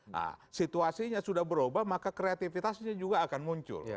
nah situasinya sudah berubah maka kreatifitasnya juga akan muncul